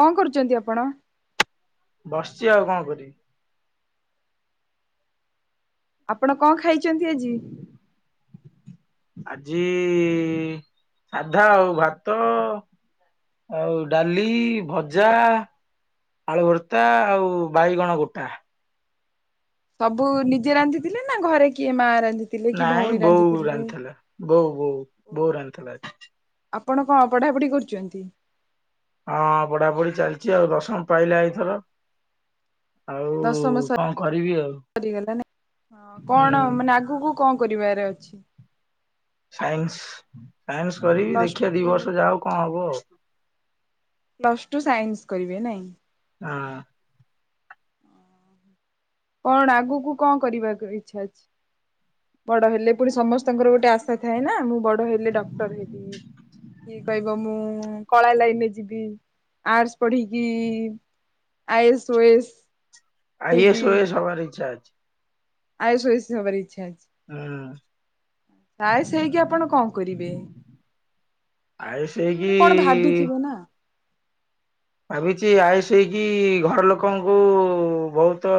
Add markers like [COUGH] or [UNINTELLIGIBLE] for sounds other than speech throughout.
କଣ କରୁଛନ୍ତି ଆପଣ? ବସିଛି ଆଉ କଣ କରିବି। ଆପଣ କଣ ଖାଇଚନ୍ତି ଆଜି? ଆଜି ସାଧା ଆଉ ଭାତ ଆଉ ଡାଲି, ଭଜା ଆଳୁ ଭର୍ତ୍ତା ଆଉ ବାଇଗଣ ଗୋଟା। ସବୁ ନିଜେ ରାନ୍ଧିଥିଲେ ନା ଘରେ କିଏ ମା ରାନ୍ଧି ନାଇଁ ବୋଉ ରାନ୍ଧିଥିଲା ବୋଉ ବୋଉ ବୋଉ ରାନ୍ଧିଥିଲା। ଆପଣ କଣ ପଢାପଢି କରୁଛନ୍ତି? ହଁ ପଢାପଢି ଚାଲିଛି ଆଉ ଦଶମ ପାଇଲା ଏଇଥର। ଆଉ ଦଶମ କଣ କରିବି ଆଉ ସରି ଗଲାଁ ହୁଁ କଣ ମାନେ ଆଗକୁ କଣ କରିବାର ଅଛି? ସାଇନ୍ସ ସାଇନ୍ସ କରିବି ପ୍ଲସ ଦି ଟୁ ବର୍ଷ ଯାଉ କଣ ହବ। ପ୍ଲସ ଟୁ ସାଇନ୍ସ କରିବେ ନାଇଁ। ହଁ। କଣ ଆଗକୁ କଣ କରିବାକୁ ଇଚ୍ଛା ଅଛି। ବଡ ହେଲେ ପୁଣି ସମସ୍ତଙ୍କର ଗୋଟେ ଆଶା ଥାଏ ନା ମୁଁ ବଡ଼ କହିଲେ ଡକ୍ଟର ହେବି କିଏ କହିବ ମୁଁ କଳା ଲାଇନରେ ଯିବି ଆର୍ଟସ ପଢିକି ଆ ଇ ସ୍, O A S. I S, O A S ସବାର ଇଛା ଅଛି? ଆ ଇଏ ସ୍ ଓଏସ ହବାର ଇଚ୍ଛା ଅଛି ହୁଁ ଆଇଏସ୍‌ ହେଇକି ଆପଣ କଣ କରିବେ? ଆଇଏସ ପୁଣି ହେଇ ଗୋଟେ କଣ କିି। ଭାବିଥିବେ ନା ଭାବିଛି ଆଇଏସ୍‌ ହେଇକି ଘର ଲୋକଙ୍କୁ ବହୁତ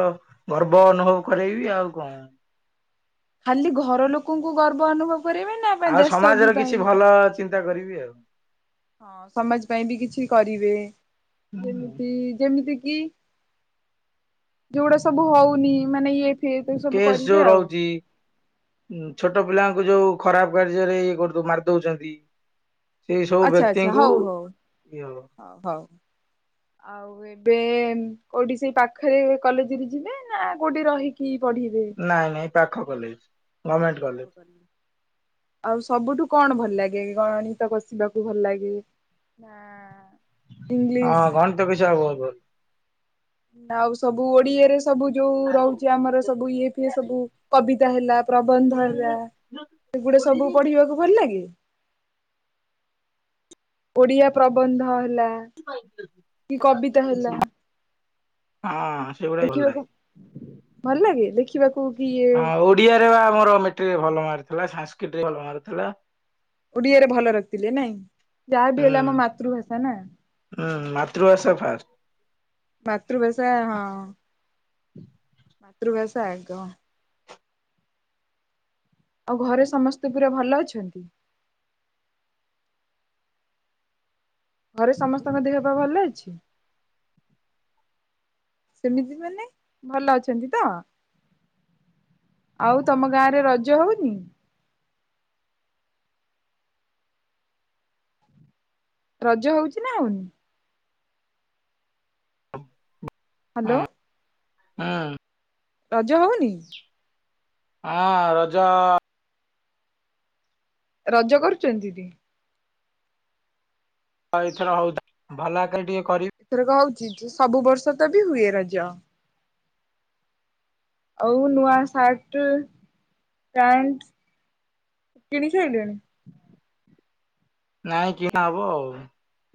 ଗର୍ବ ଅନୁଭବ କରେଇବି ଆଉ କଣ? ଖାଲି ଘର ଲୋକଙ୍କୁ ଗର୍ବ ଅନୁଭବ କର? କରେଇବେନା ଆଉ ସମାଜର କିଛି ଭଲ ଚିନ୍ତା କରିବି ଆଉ। ହଁ ସମାଜ ପାଇଁ ବି କିଛି କରିବେ ଯେମିତି ଯେମିତି କିି ଯୋଉଗୁଡା ସବୁ ହଉନି ମାନେ ଇଏ ଫିଏ ସେଇ ସବୁ କରିବେ ଆଉ। ଉ ଛୋଟ ପିଲାଙ୍କୁ ଯୋଉ ଖରାପ କାର୍ଯ୍ୟରେ ଇଏ କରୁୁ ମାରିଦଉଛନ୍ତି। ସେଇ ସବୁ ଆଚ୍ଛା ଆଚ୍ଛା ବ୍ୟକ୍ତିଙ୍କୁ ହଉ ହଉ ଇଏ ହଉ ହଉ ଆଉ ଏ ଏବେ କୋଉଠି ସେଇ ପାଖରେ କଲେଜରେ ଯିବେ ନା କୋଉଠି ରହିକି ପଢିବେ? ନାଇଁ ନାଇଁ ପାଖ କଲେଜ। ଗଭର୍ଣମେଣ୍ଟ କଲେଜ [INAUDIBLE] ଆଉ ସବୁଠୁ କଣ ଭଲ ଲାଗେ, ଗଣିତ କଷିବାକୁ ଭଲ ଲାଗେ? ନା। ଇଂଲିଶ ହଁ ଗଣିତ କଷିବା ବହୁତ୍ ବହୁତ୍ ଆଉ ସବୁ ଓଡିଆରେ ସବୁ ଯୋଉ ରହୁଚି ଆମର ସବୁ ଇଏ ଫିଏ ସବୁ କବିତା ହେଲା ପ୍ରବନ୍ଧ ହେଲା ସେଗୁଡ଼ାସବୁ ପଢିବାକୁ ଭଲଲାଗେ? ଓଡିଆ ପ୍ରବନ୍ଧ ହେଲା, କି କବିତା ହେଲା ଆଁ। ଦେଖିବାକୁ ଭଲ ଲାଗେ? ଦେଖିବାକୁ କି ଇଏ ହଁ ଓଡିଆରେ ବା ଆମର ମେଟ୍ରିକ୍ ଭଲ ମାର୍କ ଥିଲା। ସାଂସ୍କ୍ରିଟ୍ ରେ ଭଲ ମାର୍କଥିଲା। ଓଡିଆରେ ଭଲ ରଖିଥିଲେ ନାଇଁ ଯାହାବିି ହେଲେ ହୁଁ। ଆମ ମାତୃଭାଷା ନା। ହୁଁ ମାତୃଭାଷା ଫାଷ୍ଟ। ମାତୃଭାଷା ହଁ। [INAUDIBLE] ମାତୃଭାଷା ଆଗ। ଆଉ ଘରେ ସମସ୍ତେ ପୁରା ଭଲ ଅଛନ୍ତି? ଘରେ ସମସ୍ତଙ୍କ ଦେହପାଅ ଭଲ ଅଛି? ସେମିତି ମାନେ ଭଲ ଅଛନ୍ତି ତ? ଆଉତମ ଗାଁରେ ରଜ ହଉନି? ରଜ ହଉଚି ନା ହଉନି? ହ୍ୟାଲୋ ହଁ, ହଁ। ରଜ ହଉନି? ହଁ ରଜ ରଜ କରୁଚନ୍ତି ଟି? ହଁ ଏଇଥର ହଉଚି ଭଲଆକାର ଟିକେ କରିବି। ଏଥରକ ହଉଚି ଯେ ସବୁବର୍ଷ ତ ବି ହୁଏ ରଜ। ଆଉନୂଆ ସାଟ୍ ପ୍ୟାଣ୍ଟ କିଣି ସାରିଲେଣି? ନାଇଁ କିଣାହବ ଆଉ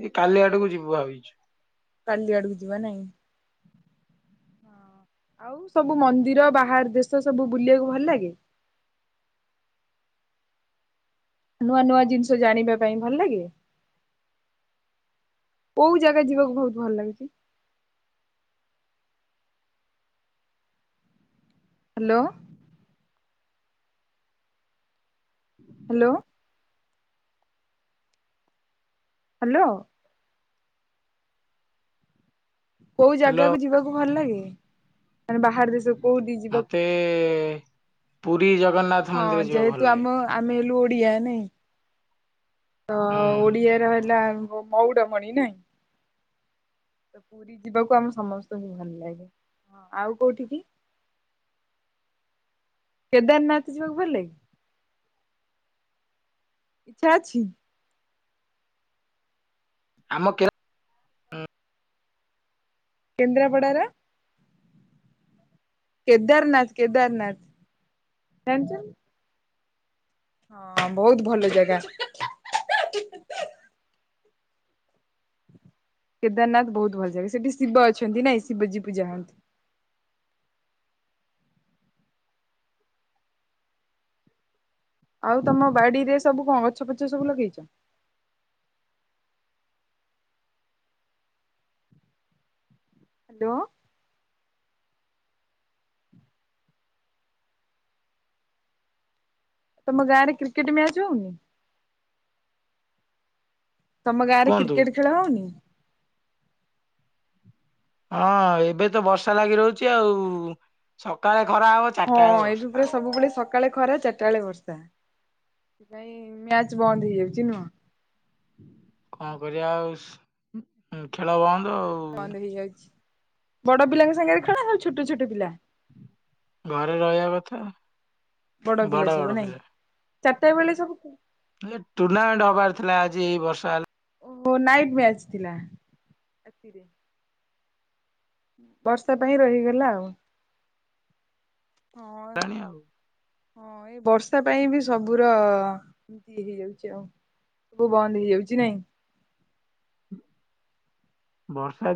ଏ କାଲି ଆଡ଼କୁ ଯିବୁ ଭାବିଛୁ? କାଲି ଆଡ଼କୁ ଯିବ ନାଇଁ? ହଁ। ଆଉସବୁ ମନ୍ଦିର ବାହାର ଦେଶ ସବୁ ବୁଲିବାକୁ ଭଲ ଲାଗେ? ନୂଆ ନୂଆ ଜିନିଷ ଜାଣିବା ପାଇଁ ଭଲଲାଗେ? କୋଉଜାଗା ଯିବାକୁ ବହୁତ୍ ଭଲ ଲାଗୁଚି? ହ୍ୟାଲୋ। ହ୍ୟାଲୋ। ହ୍ୟାଲୋ। କୋଉ ହ୍ୟାଲୋ ଜାଗାକୁ ଯିବାକୁ ଭଲ ଲାଗେ ମାନେ ବାହାର ଦେଶ କୋଉଠି ଯିବାକୁ? ଏ ପୁରୀ ଜଗନ୍ନାଥ ହଁ ମନ୍ଦିର ଯିବା ଭଲ ଯେହେତୁ ଲାଗେ ଆମ ଆମେହେଲୁ ଓଡିଆ ନାଇ, ତ ହୁଁ ଓଡିଆରେ ହେଲା ମଉଡ଼ମଣି ନାଇଁ। ତ ପୁରୀ ଯିବାକୁ ଆମ ସମସ୍ତଙ୍କୁ ଭଲ ଲାଗେ ହଁ, ଆଉ କୋଉଠି କି? କେଦାରନାଥ ଯିବାକୁ ଭଲଲାଗେ? ଇଚ୍ଛା ଅଛି? ଆମ କେ କେନ୍ଦ୍ରାପଡ଼ାର କେଦାରନାଥ, କେଦାରନାଥ ଜାଣିଚନ୍ତି? ହଁ ବହୁତ୍ ଭଲଜାଗା। କେଦାରନାଥ ବହୁତ୍ ଭଲ ଯାଗା। ସେଠି ଶିବ ଅଛନ୍ତି ନାଇଁ, ଶିବଜୀ ପୂଜା ହୁଅନ୍ତି। ଆଉ ତମ ବାଡ଼ିରେ ସବୁକଣ ଗଛ ପଛ ସବୁ ଲଗେଇଚ? ହ୍ୟାଲୋ। ତମ ଗାଁରେ କ୍ରିକେଟ୍ ମ୍ୟାଚ୍ ହଉନି? ତମ ଗାଁରେ କୁହନ୍ତୁ କ୍ରିକେଟ୍ ଖେଳ ହଉନି? ହଁ ଏବେତ ବର୍ଷା ଲାଗି ରହୁଚି ଆଉ ସକାଳେ ଖରା ହବ ହଁ ଚାରିଟା ବେଳେ ଏବେ ବର୍ଷା ପୁରା ହବ ସବୁବେଳେ ସକ୍ ସକାଳେ ଖରା ଚାରିଟା ବେଳେ ବର୍ଷା ସେଥିପାଇଁ ମ୍ୟାଚ ବନ୍ଦ ହେଇଯାଉଛି ନୁହଁ? କଣ କରିବା ଆଉ ସ୍ ଖେଳ ବନ୍ଦ ଆଉ। ବନ୍ଦ ହେଇଯାଉଛି ବଡ଼ ପିଲାଙ୍କ ସାଙ୍ଗରେ ଖେଳ ନା ଛୋଟ ଛୋଟ ପିଲା? ଘରେ ରହିବା କଥା ବଡ଼ ବଡ ପିଲା ବଡ ସବୁ ନାଇଁ ଚାରିଟା ବେଳେ ସବୁ [UNINTELLIGIBLE] ଟୁର୍ଣ୍ଣାମେଣ୍ଟ ହବାର ଥିଲା ଆଜି ଏଇ ବର୍ଷା ହେଲା ଓହୋ ନାଇଟ ମ୍ୟାଚ୍ ଥିଲା ରାତିରେ ବର୍ଷା ପାଇଁ ରହିଗଲା ଆଉ। ହଁ ଜାଣି ଆଉ ହଁ ଏଇ ବର୍ଷା ପାଇଁ ବି ସବୁର ଏମତି ହେଇଯାଉଛି ଆଉ ସବୁ ବନ୍ଦ ହେଇଯାଉଛି ନାଇଁ? ବର୍ଷା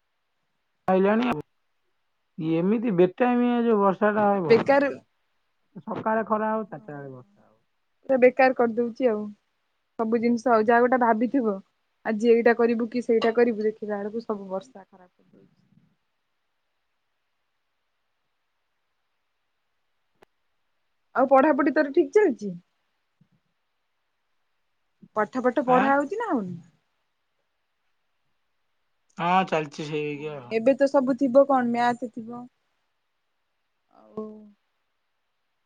[UNINTELLIGIBLE] ଏମିତି ବେଟାଇମିଆ ଯୋଉ ବର୍ଷା [UNINTELLIGIBLE] ଭଲ ବେକାର ଲାଗେ ପୁରା ନା ସକାଳେ ଖରା ହବ ଚାରିଟା ବେଳେ ବର୍ଷା ହଉ। ସେ ବେକାର କରିଦଉଛି ଆଉ ସବୁ ଜିନିଷ ଆଉ ଯାହା ଗୋଟେ ଭାବିଥିବ ଆଜି ଏଇଟା କରିବୁ କି ସେଇଟା କରିବୁ ଦେଖିଲା ବେଳକୁ ସବୁ ବର୍ଷା ଖରାପ କରି ଦେଉଛି। ଆଉ ପଢ଼ାପଢ଼ି ତୋର ଠିକ୍ ଚାଲିଛି? ପାଠ ଫାଠ ଆଁ ପଢା ହଉଛି ନା ହଉନି? ହଁ ଚାଲିଛି ସେଇ ଇଏ ଆଉ। ଏବେ ତ ସବୁ ଥିବ କଣ ମ୍ୟାଥ୍ ଥିବ ଆଉ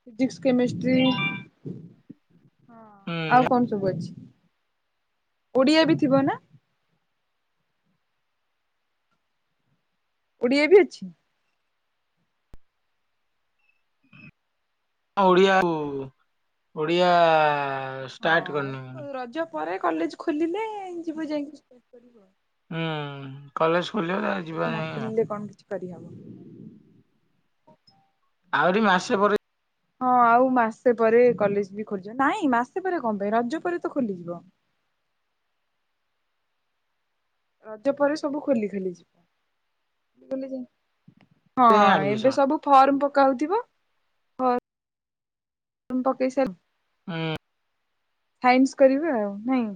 ଫିଜିକ୍ସ କେମେଷ୍ଟ୍ରି ହଁ ଆଉ ହୁଁ କଣ ସବୁ ଅଛି ଓଡ଼ିଆ ବି ଥିବ ନା? ଓଡ଼ିଆ ବି ଅଛି? ହଁ ଓଡ଼ିଆ କୁ ଓଡ଼ିଆ ଷ୍ଟାର୍ଟ କରନୁ। ହଁ ରଜ ପରେ କଲେଜ ଖୋଲିଲେ ଯିବୁ ଯାଇକିରି [UNINTELLIGIBLE] ହୁଁ କଲେଜ ଖୋଲିବ ତା ଏ ଯିବା ଯାଇ ଆଉ ନଖୋଲିଲେ କଣ କିଛି କରିହବ? ଆହୁରି ମାସେ ପରେ ହଁ ଆଉ ମାସେ ପରେ କଲେଜ୍ ବି ଖୋଲିଯିବ ନାଇଁ ମାସେ ପରେ କଣ ପାଇଁ ରଜ ପରେ ତ ଖୋଲିଯିବ। ରଜ ପରେ ସବୁ ଖୋଲି ଖଲି ଯିବ [UNINTELLIGIBLE] ହଁ ଏବେ ଆଡମିସନ। ସବୁ ଫର୍ମ ପକାଉଥିବ ଫର୍ମ ଫର୍ମ ପକେଇ ସାରି ହୁଁ। ସାଇନ୍ସ କରିବେ ଆଉ ନାଇଁ?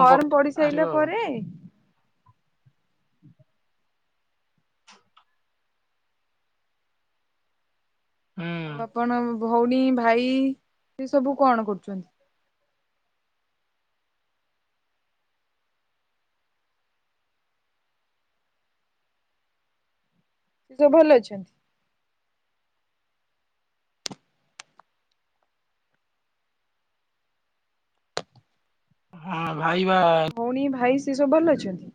ଫର୍ମ ପକେଇ ଆସିବ ପଡ଼ିସାରିଲା ପରେ ହ ହୁଁ। ଆଉ ଆପଣ ଭଉଣୀ ଭାଇ ସେ ସବୁ କଣ କରୁଛନ୍ତି? ସିଏ ସବୁ ଭଲ ଅଛନ୍ତି? ହଁ ଭାଇ ବା ଭଉଣୀ ଭାଇ ସିଏ ସବୁ ଭଲ ଅଛନ୍ତି?